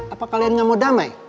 apa kalian gak mau damai